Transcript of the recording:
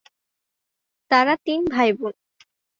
তারা তিন ভাই বোন।